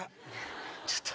ちょっと！